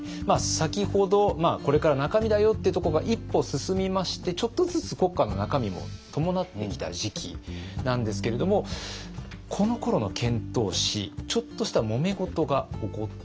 先ほどこれから中身だよっていうところが一歩進みましてちょっとずつ国家の中身も伴ってきた時期なんですけれどもこのころの遣唐使ちょっとしたもめ事が起こっていたんです。